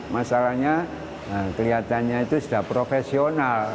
masalahnya kelihatannya itu sudah profesional